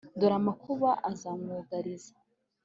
dore amakuba azamwugariza